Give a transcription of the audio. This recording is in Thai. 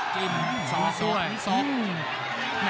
จิ้มสกสกสก